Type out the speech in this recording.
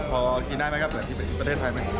พอกินได้ไหมครับแบบที่ประเทศไทยไหม